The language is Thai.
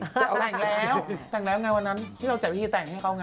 แต่แกนแกนแล้วแกนแล้วเราก็จัดวิธีแกนแล้ว